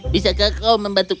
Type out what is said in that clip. bisakah kau membantu kami